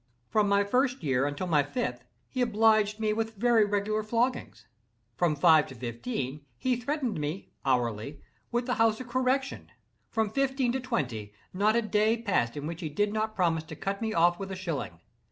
From my first year until my fifth, he obliged me with very regular floggings. From five to fifteen, he threatened me, hourly, with the House of Correction. From fifteen to twenty, not a day passed in which he did not promise to cut me off with a shilling.